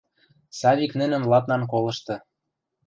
Савик нӹнӹм ладнан колышты.